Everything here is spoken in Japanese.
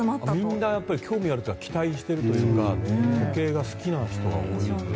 みんな興味あるというか期待しているというか時計が好きな人が多いという。